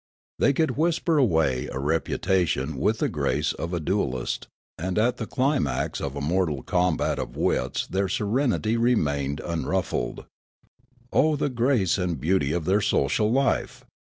The)^ could whisper away a reputation with the grace of a duellist ; and at the climax of a mortal combat of wits their serenity remained unruffled. Oh, the grace and beauty of their social life